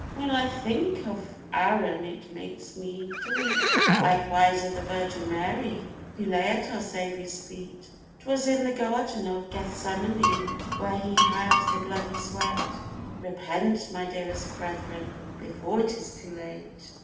When I think of Aaron it makes me to weep, Likewise of the Virgin Mary who lay at our Saviour's feet; 'Twas in the garden of Gethsemane where he had the bloody sweat; Repent, my dearest brethren, before it is too late.